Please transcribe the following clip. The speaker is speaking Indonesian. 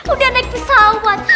udah naik pesawat